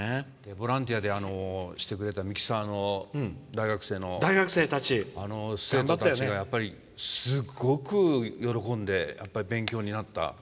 ボランティアでやってくれたミキサーの大学生の生徒たちがすごく喜んでやっぱり勉強になった。